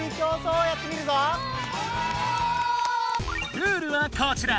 ルールはこちら！